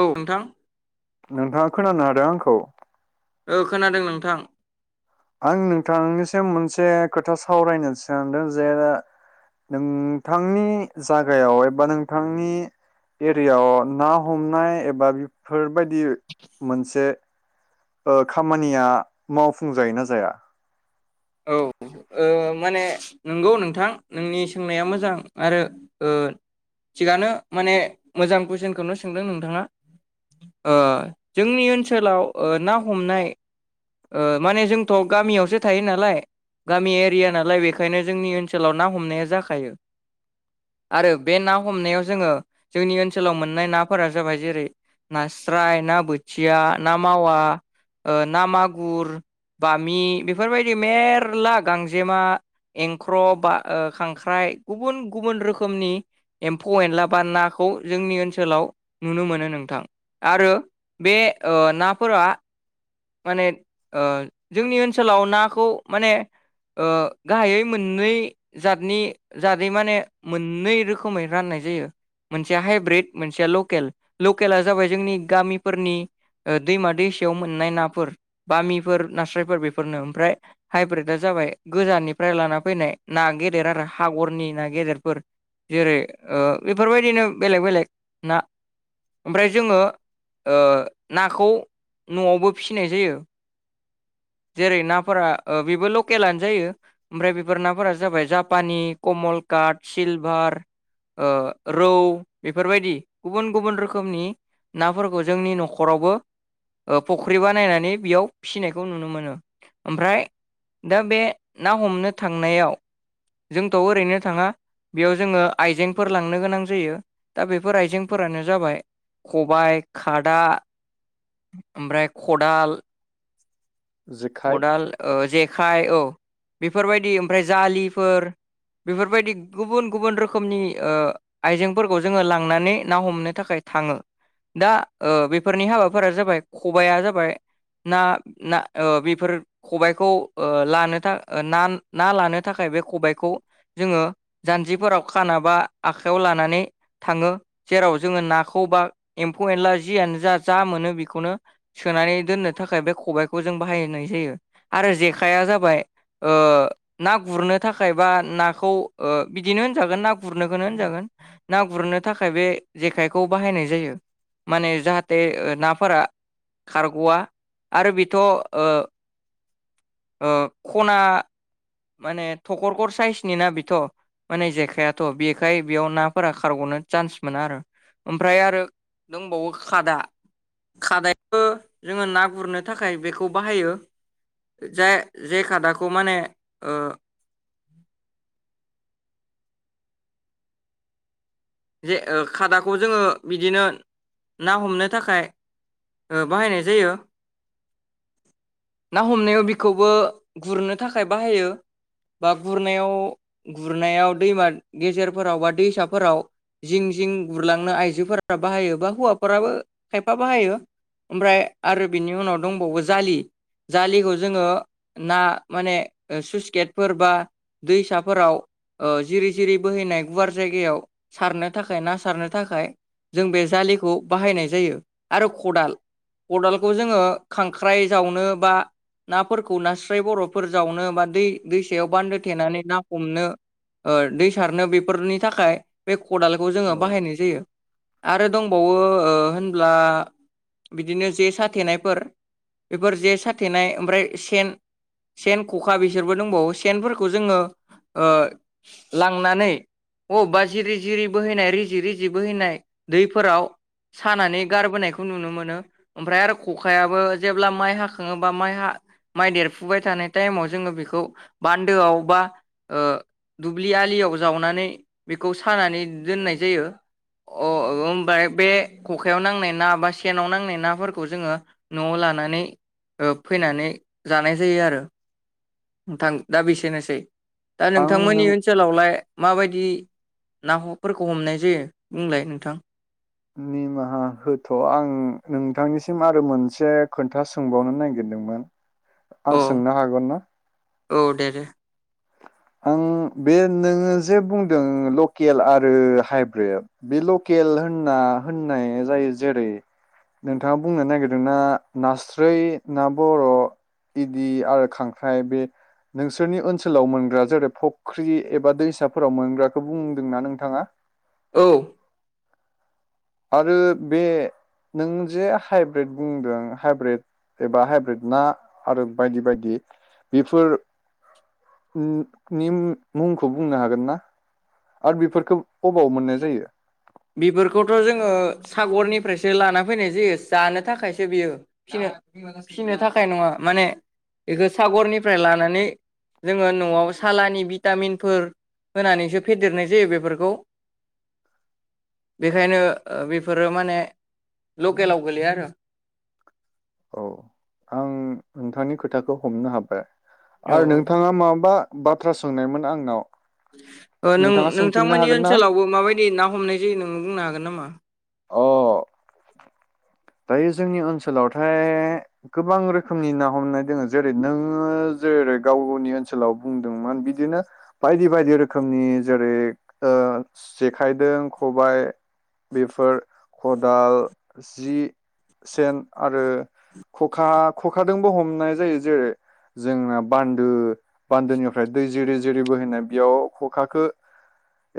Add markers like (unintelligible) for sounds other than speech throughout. औ नोंथां। नोंथाङा खोनानो हादों आंखौ? ओ खोनादों नोंथां। आं नोंथांनिसिम मोनसे खोथा सावरायनो सानदों जे नोंथांनि जागायाव एबा नोंथांनि एरियाव ना हमनाय एबा बेफोरबायदि मोनसे ओ खामानिया मावफुंजायोना जाया? औ ओ माने नंगौ नोंथां नोंनि सोंनाया मोजां आरो ओ थिगानो माने मोजां कुइसनखौनो सोंदों नोंथाङा ओ जोंनि ओनसोलाव ओ ना हमनाय ओ माने जोंथ' गामियावसो थायो ना लाय गामि एरिया नालाय बेखायनो जोंनि ओनसोलाव ना हमनाया जाखायो आरो बे ना हमनायाव जोङो जोंनि ओनसोलाव मोननाय नाफोरा जाबाय जेरै नास्राय, ना बोथिया, ना मावा ओ ना मागुर, बामि बेफोरबाय मेरला गांजेमा, एंख्र' बा ओ खांख्राइ गुबुन गुबुन रोखोमनि एम्फौ-एनला बा नाखौ जोंनि ओनसोलाव नुनो मोनो नोंथां आरो बे ओ नाफोरा माने ओ जोंनि ओनसोलाव ना ख खौ माने ओ गाहायै मोननै जादनि जादै माने मोननै रोखोमै राननाय जायो मोनसेया हाइब्रिद मोनसेया लकेल, लकेला जाबाय जोंनि गामिफोरनि ओ दैमा-दैसायाव मोननाय नाफोर बामिफोर नास्रायफोर बेफोरनो ओमफ्राय हाइब्रिदा जाबाय गोजाननिफ्राय लाना फैनाय ना गेदेर आरो हागरनि ना गेदेरफोर जेरै ओ बेफोरबायदिनो बेलेग बेलेग ना ओमफ्राय जोङो ओ नाखौ न'आवबो फिनाय जायो जेरै ना फोरा बेबो लकेलानो जायो ओमफ्राय बेफोर नाफोरा जाबाय जापानि, कमलकाट, सिलभार ओ रौ बेफोरबायदि गुबुन गुबुन रोखोमनि नाफोरखौ जोंनि न'खरावबो ओ फुख्रि बानायनानै बेयाव फिसिनायखौ नुनो मोनो। ओमफ्राय दा बे ना हमनो थांनायाव जोंथ' ओरैनो थाङा बेयाव जोङो आइजेंफोर लांनो गोनां जायो दा बेफोर आइजेंफोरानो जाबाय खबाय, खादा ओमफ्राय खदाल। जेखाइ अदाल ओ जे खाय औ बेफोरबायदि ओमफ्राय जालिफोर बेफोरबायदि गुबुन गुबुन रोखोमनि ओ आइजेंफोरखौ जोङो लांनानै ना हमनो थाखाय थाङो दा ओ बेफोरनि हाबाफोरा जाबाय खबाइआ जाबाय ना ना ओ बेफोर खबायखौ ओ लानो था ओ ना ना लानो थाखाय बे खबायाइखौ जोङो जानजिफोराव खाना बा आखाइयाव लानानै थाङो जेराव जोङो नाखौ बा एम्फौ-एनला जियानोजा जा मोनो बेखौनो सोनानै दोननो थाखाय बे खबायखौ जों बाहायनाय जायो। आरो जेखाइआ जाबाय ओ ना गुरनो थाखाय बा नाखौ ओ बिदिनो होनजागोन ना गुरनोखोनो होनजागोन ना गुरनो थाखाय बे जेखायखौ बाहायनाय जायो माने जाहाते नाफोरा खारग'वा आरो बेथ' ओ ओ ख'ना माने थखर खर साइसनि ना बिथ' माने जेखायाथ' बेखाय बेयाव नाफोरा खारग'नो चान्स मोना आरो ओमफ्राय आरो दंबावो खादा खादायो जोङो ना गुरनो थाखाय बेखौ बाहायो। जाय जे खादाखौ माने ओ जे ओ खादाखौ जोङो बिदिनो ना हमनो थाखाय ओ बाहायनाय जायो ना हमनायाव बिखौबो गुरनो थाखाय बाहायो बा गुरनायाव गुरनायाव दैमा गेजेरफोराव बा दैसाफोराव जिं जिं गुरलांनो आइजोफोरा बाहायो बा हौवाफोराबो खायफा बाहायो ओमफ्राय आरो बिनि उनाव दंबावो जालि जालिखौ जोङो ना माने सुइसगेटफोर बा दैसाफोराव ओ जिरि-जिरि बोहैनाय गुवार जायगायाव सारनो थाखाय ना सारनो थाखाय जों बे जालिखौ बाहायनाय जायो आरो खदाल, खदालखौ जोङो खांख्राइ जावनो बा नाफोरखौ नास्राय बर'फोर जावनो बा दै दैसायाव बान्दो थेनानै ना हमनो ओ दै सारनो बेफोरनि थाखाय बे ख खदालखौ जोङो औ बाहायनाय जायो । आरो दंबावो ओ होनब्ला बिदिनो जे साथेनायफोर बेफोर जे साथेनाय ओमफ्राय सेन सेन ख'खा बिसोरबो दंबावो सेनफोरखौ जोङो ओ लांनानै बबेबा जिरि-जिरि बोहैनाय रिजि-रिजि बोहैनाय दैफोराव सानानै गारबोनायखौ नुनो मोनो, ओमफ्राय आरो खखायाबो जेब्ला माइ हाखाङोबा माइ हा माइ देरफुबाय थानाय टाइमाव जोङो बेखौ बान्दोआव बा ओ दुब्लि आलियाव जावनानै (unintelligible) बेखौ सानानै दोननाय जायो अ ओ (unintelligible) बे खखायाव नांनाय ना बा सेनाव नांनाय नाफोरखौ जोङो न'आव लानानै ओ फैनानै जानाय जायो आरो नोथां दा बेसेनोसै दा आं नों नोंथांमोननि ओनसोलावलाय माबायदि? ना हफोरखौ हमनाय जायो बुंलाय नोंथां । निमाहा होथ' आं नोंथांनिसिम आरो मोनसे खोन्था सोंबावनो नागिरदोंमोन । अ आं सोंनो हागोन ना? औ दे दे आं बे नोङो जे बुंदों लकेल आरो हाइब्रिद बे लकेल होनना होननाया जायो जेरै नोंथाङा बुंनो नागिरदोंना नास्राय ना बर' इदि आरो खांख्राइ बे नोंसोरनि ओनसोलाव मोनग्रा जेरै फुख्रि एबा दैसाफोराव मोनग्राखौ बुंदोंना नोंथाङा औ आरो बे नों जे हाइब्रिद बुंदों हाइब्रिद एबा हाइब्रिद ना आरो बायदि-बायदि बेफोरनि नि मुंखौ बुंनो हागोन ना आरो बेफोरखो बबाव मोननाय जायो। बेफोरखौथ' जोङो सागरनिफ्रायसो लाना फैनाय जायो जानो थाखायसो बियो फिनो फिसिनो थाखाय नङा माने इखो सागरनिफ्राय लानानै जोङो न'आव सालानि भिटामिनफोर होनानैसो फेदेरनाय जायो बेफोरखौ बेखायनो ओ बेफोरो माने लकेलाव गोलैया आरो औ आं नोंथांनि खोथाखौ हमनो हाबाय औ आरो नोंथाङा माबा बाथ्रा सोंनायमोन आंनाव ओ नों नोंथाङा सोंफिननो नोंथांमोननि हागोन ना ओनसोलावबो माबायदि ना हमनाय जायो नोङो बुंनो हागोन नामा अ दायो जोंनि ओनसोलावथाय गोबां रोखोमनि ना हमनाय दङो जेरै नोङो जेरै गावनि ओनसोलाव बुंदोंमोन बिदिनो बायदि-बायदि रोखोमनि जेरै ओ जेखाइदों खबायाइ बेफोर खदाल जि सेन आरो खखा खखादोबो हमनाय जायो जेरै जोंना बान्दो बान्दोनिफ्राय दै जिरि-जिरि बोहैनाय बेयाव खखाखो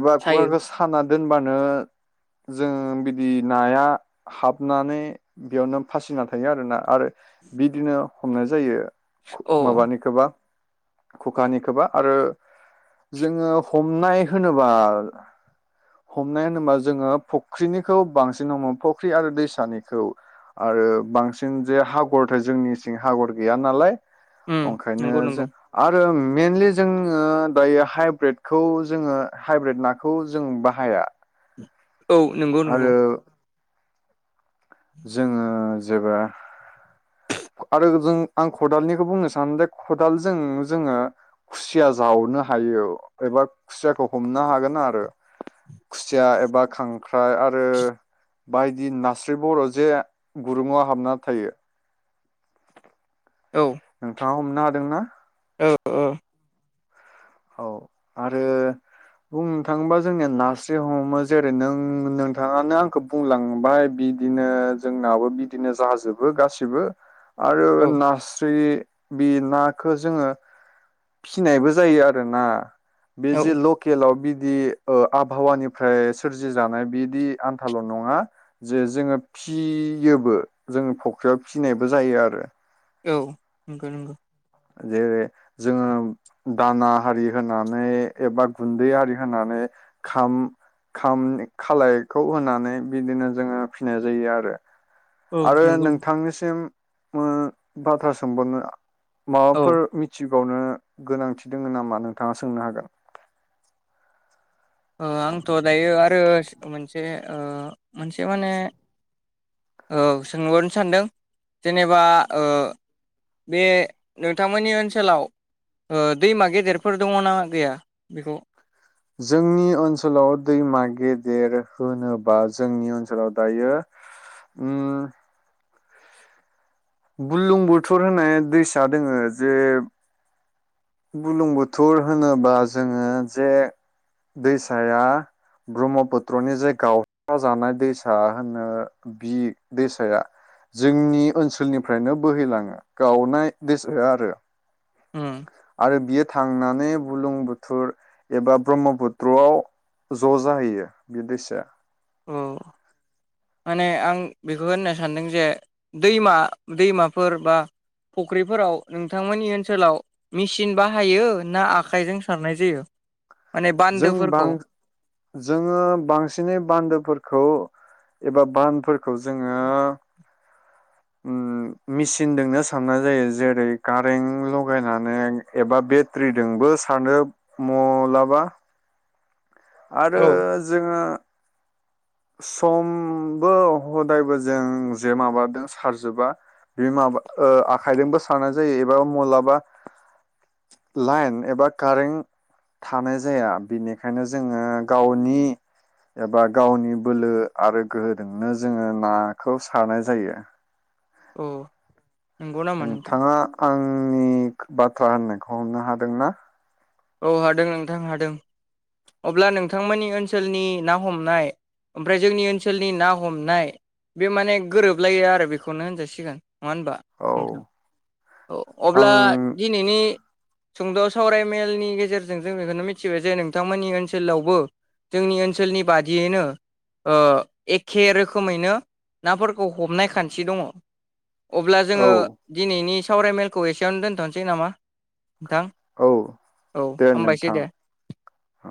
एबा सायो खखाखो साना दोनबानो जों बिदि नाया हाबनानै बेयावनो फासिना थायो आरोना आरो बिदिनो हमनाय जायो। खु अ माबानिखोबा खखानिखोबा आरो जोङो हमनाय होनोबा हमनाय होनोबा जोङो फुख्रिनिखौ बांसिन हमो फुख्रि आरो दैसानि खौ आरो बांसिन जे हागरथाय जोंनि सिं हागर गैया नालाय उम ओंखायनो नंगौ नंगौ जों आरो ओं मेनलि जोङो दायो हाइब्रिदखौ जोङो हाइब्रिद नाखौ जों बाहाया औ नंगौ नंगौ आरो जोङो जेबा (unintelligible) औ नोंथाङा हम ना हादों ना औ औ। औ आरो बुंनो थाङोबा जोंनिया नास्रि हमो जेरै नों नोंथाङानो आंखौ बुंलांबाय बिदिनो जोंनाबो बिदिनो जाजोबो गासिबो। आरो औ नास्रि बि नाखो जोङो फिनायबो जायो आ ना बे औ जे लकेललाव बिदि ओ आबहावानिफ्राय सोरजि जानाय बिदि आन्थाल नङा जे जोङो फियोबो जोङो फख्रियाव फिनायबो जायो आरो औ नंगौ नंगौ। जेरै जोङो दाना हारि होनानै एबा गुन्दै आरि होनानै खाम खाम खालायखौ होनानै बिदिनो जोङो फिनाय जायो आरो औ आरो नंगौ नोंथांनिसिम मो बाथ्रा सोंबावनो औ माबाफोर मिथि गावनो गोनांथि दोङो नामा नोंथाङा सोंनो हागोन। ओ आंथ' दायो आरो मोनसे ओ मोनसे माने ओ सोंहरनो सानदों जेनेबा ओ‌ बे नोंथांमोननि ओनसोलाव ओ दैमा गेदेरफोर दङना गैया बेखौ जोंनि ओनसोलाव दैमा गेदेर होनोबा जोंनि ओनसोलाव दायो उम बुलुंबुथुर होननाय दैसा दोङो जे बुलुंबुथुर होनोब्ला जोङो जे दैसाया ब्रह्मपुत्रनि जे गावस जानाय दैसा होनो बि दैसाया जोंनि ओनसोलनिफ्रायनो बोहैलाङो गावनाय दैसाया आरो। उम आरो बियो थांनानै बुलुंबुथुर एबा ब्रह्मपुत्रआव ज जाहैयो बे दैसाया। औ माने आं बेखौ होननो सानदों जे दैमा दैमाफोर बा फुख्रिफोराव नोंथांमोननि ओनसोलाव मेचिन बाहायो ना आखाइजों सारनाय जायो। माने जों बां बान्दोफोरखौ जोङो बांसिनै बान्दोफोरखौ एबा बानफोरखौ जोङो उम मेचिनजोंनो साननाय जायो जेरै कारें लगायनानै एबा बेट्रिजोंबो सारनो मलाबा आरो औ जोङो समबो हदायबो जों जे माबादो सारजोबा बे माबा ओ आखाइजोंबो सारनाय जायो एबा माबलाबा लाइन एबा कारेन्ट थानाय जाया बिनिखायनो जोङो गावनि एबा गावनि बोलो आरो गोहोजोंनो जोङो नाखौ सारनाय जायो। औ। नोंथाङा आं आंनि बाथ्रा होननायखौ हमनो हादोंना? औ हादों नोंथां हादों अब्ला नोंथांमोननि ओनसोलनि ना हमनाय ओमफ्राय जोंनि ओनसोलनि ना हमनाय बे माने गोरोबलायो आरो बेखौनो होनजासिगोन। नङा होनबा औ नोंथां औ अब्ला आं दिनैनि सुंद सावराय मेलनि गेजेरजों जों बेखौनो मिथिबाय जे नोंथांमोननि ओनसोलावबो जोंनि ओनसोलनि बादियैनो एखे रोखोमैनो नाफोरखौ हमनाय खान्थि दङ। अब्ला औ जोङो दिनैनि सावरायमेलखौ एसेयावनो दोनथनोसै नामा नोंथां। औ औ दे हामबायसै नोंथां दे अ।